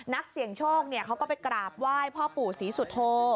นักเสี่ยงโชคเขาก็ไปกราบไหว้พ่อปู่ศรีสุโธ